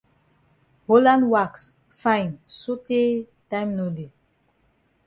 Holland wax fine sotay time no dey.